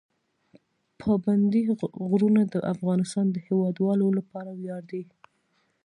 پابندی غرونه د افغانستان د هیوادوالو لپاره ویاړ دی.